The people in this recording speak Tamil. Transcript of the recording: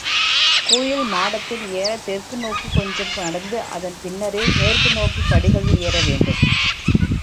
கோயில் மாடத்தில் ஏறத் தெற்கு நோக்கிக் கொஞ்சம் நடந்து, அதன் பின்னரே மேற்கு நோக்கிப் படிகளில் ஏறவேண்டும்.